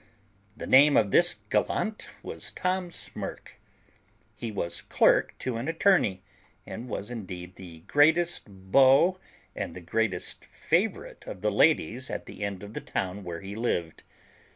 The name of this gallant was Tom Smirk. He was clerk to an attorney, and was indeed the greatest beau and the greatest favourite of the ladies at the end of the town where he lived.